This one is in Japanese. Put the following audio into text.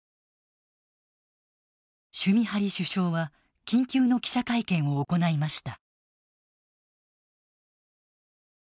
シュミハリ首相は緊急の記者会見を行いました。